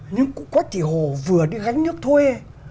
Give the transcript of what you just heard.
nhưng cụ quách thị hồ vừa đi gánh nước thuê